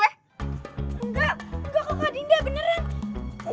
enggak enggak kok adinda beneran